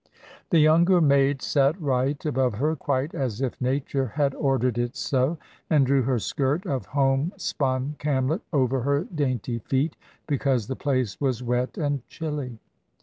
The younger maid sate right above her, quite as if Nature had ordered it so; and drew her skirt of home spun camlet over her dainty feet, because the place was wet and chilly.